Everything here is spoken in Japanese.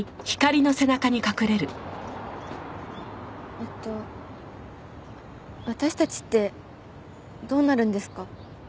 えっと私たちってどうなるんですか？